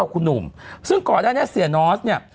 คุณหนุ่มซึ่งก่อนหน้านี้เสียนอสเนี่ย